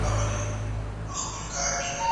که ازاده مطالعه وکړې نو ذهني وده کوې.